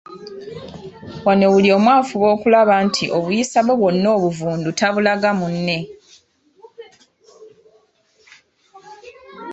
Wano buli omu afuba okulaba nti obuyisa bwe bwonna obuvundu tabulaga munne.